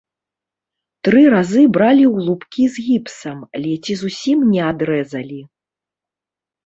Тры разы бралі ў лубкі з гіпсам, ледзь і зусім не адрэзалі.